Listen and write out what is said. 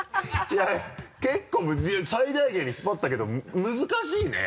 いや結構最大限に引っ張ったけど難しいね。